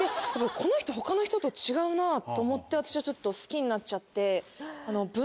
この人他の人と違うなと思って私はちょっと好きになっちゃって。